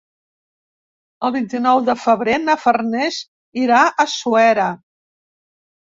El vint-i-nou de febrer na Farners irà a Suera.